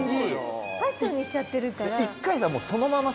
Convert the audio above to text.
「ファッションにしちゃってるから」